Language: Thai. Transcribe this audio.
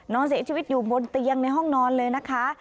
นอนเสียชีวิตอยู่บนเตียงในห้องนอนเลยนะคะ